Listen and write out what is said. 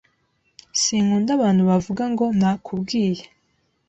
Sinkunda abantu bavuga ngo "Nakubwiye."